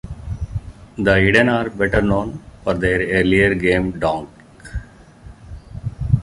The Hidden are better known for their earlier game Donk!